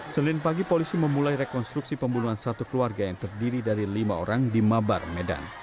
senin pagi polisi memulai rekonstruksi pembunuhan satu keluarga yang terdiri dari lima orang di mabar medan